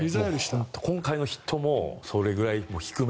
今回のヒットもそれくらい低め。